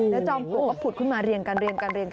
แล้วจอมปลวกก็ผุดขึ้นมาเรียงกัน